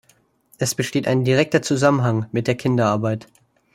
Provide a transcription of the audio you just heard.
Es besteht ein direkter Zusammenhang mit der Kinderarbeit.